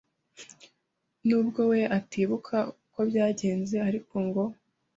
nubwo we atibuka uko byagenze ariko ngo